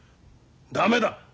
駄目だ！